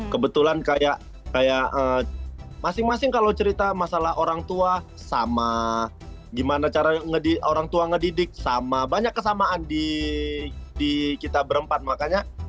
kebetulan kayak masing masing kalau cerita masalah orang tua sama gimana cara orang tua ngedidik sama banyak kesamaan di kita berempat makanya